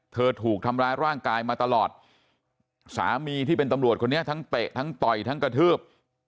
ถูกทำร้ายร่างกายมาตลอดสามีที่เป็นตำรวจคนนี้ทั้งเตะทั้งต่อยทั้งกระทืบ